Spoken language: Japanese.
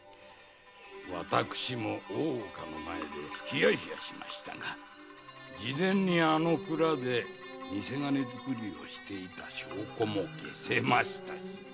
私も大岡の前で冷や冷やしましたが事前にあの蔵で偽金作りをしていた証拠も消せましたし。